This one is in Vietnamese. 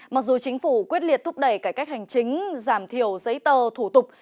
mặc dù chính phủ quyết liệt thúc đẩy cải cách hành chính giảm thiểu giấy tờ thủ tục